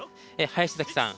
林崎さん